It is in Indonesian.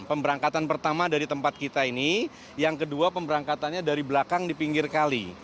pemberangkatan pertama dari tempat kita ini yang kedua pemberangkatannya dari belakang di pinggir kali